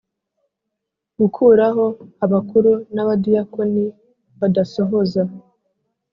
Gukuraho abakuru n abadiyakoni badasohoza